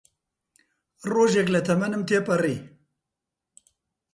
ڕۆژێک لە تەمەنم تێپەڕی